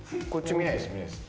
見ないです。